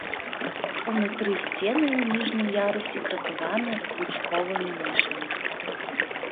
Унутры сцены ў ніжнім ярусе крапаваны лучковымі нішамі.